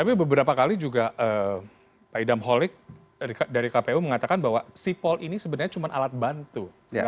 tapi beberapa kali juga pak idam holik dari kpu mengatakan bahwa sipol ini sebenarnya cuma alat bantu